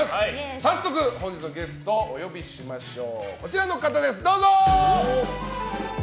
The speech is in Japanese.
早速、本日のゲストをお呼びしましょう。